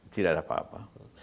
tidak ada apa apa